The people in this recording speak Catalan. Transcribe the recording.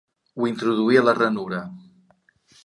Ho introduí a la ranura.